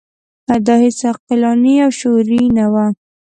دا هیڅ عقلاني او شعوري نه وه.